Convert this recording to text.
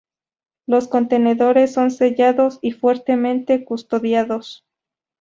Los contenedores son sellados y fuertemente custodiados.